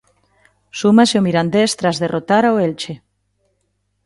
Sumase o Mirandés tras derrotar o Elxe.